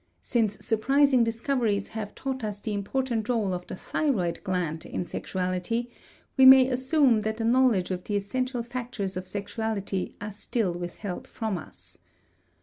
Since surprising discoveries have taught us the important rôle of the thyroid gland in sexuality, we may assume that the knowledge of the essential factors of sexuality are still withheld from us.